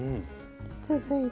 続いて。